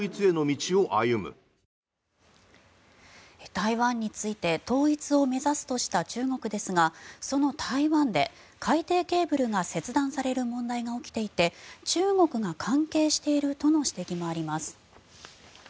台湾について統一を目指すとした中国ですがその台湾で海底ケーブルが切断される問題が起きていて中国が関係しているとの指摘もあります。